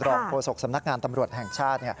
โฆษกสำนักงานตำรวจแห่งชาติ